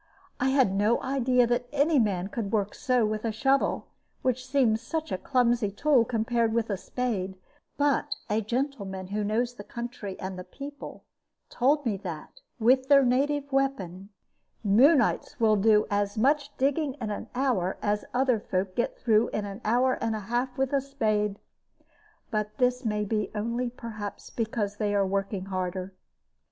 I had no idea that any man could work so with a shovel, which seems such a clumsy tool compared with a spade: but a gentleman who knows the country and the people told me that, with their native weapon, Moonites will do as much digging in an hour as other folk get through in an hour and a half with a spade. But this may be only, perhaps, because they are working harder.